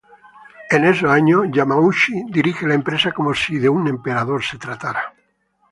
En esos años, Yamauchi dirige la empresa como si de un emperador se tratara.